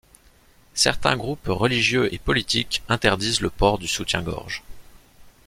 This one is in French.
Certains groupes religieux et politiques interdisent le port du soutien-gorge.